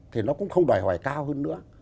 thì nó cũng không đòi hỏi cao hơn nữa